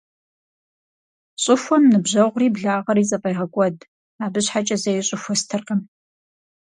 Щӏыхуэм ныбжьэгъури благъэри зэфӏегъэкӏуэд, абы щхьэкӏэ зэи щӏыхуэ стыркъым.